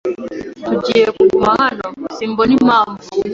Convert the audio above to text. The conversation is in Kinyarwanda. "Tugiye kuguma hano?" "Simbona impamvu."